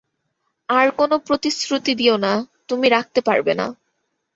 আর কোনো প্রতিশ্রুতি দিও না তুমি রাখতে পারবে না।